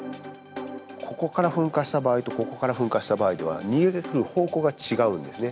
ここから噴火した場合と、ここから噴火した場合では、逃げられる方向が違うんですね。